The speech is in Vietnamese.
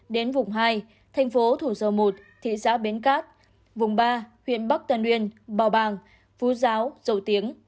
đến vùng hai thành phố thủ dầu một thị xã bến cát vùng ba huyện bắc tân uyên bào bàng phú giáo dầu tiếng